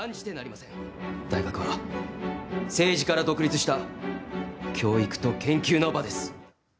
大学は、政治から独立した教育と研究の場です。